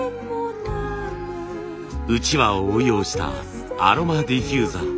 うちわを応用したアロマディフューザー。